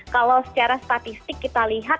kalau secara statistik kita lihat